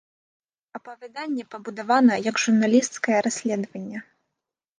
Апавяданне пабудавана як журналісцкае расследаванне.